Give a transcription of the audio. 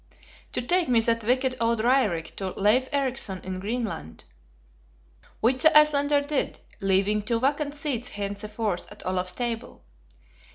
"To take me that wicked old Raerik to Leif Ericson in Greenland." Which the Icelander did; leaving two vacant seats henceforth at Olaf's table.